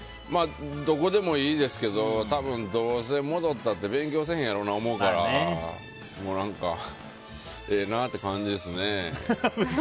どこでもいいですけどどうせ戻ったって勉強せえへんやろうなと思うから何かええなって感じですね。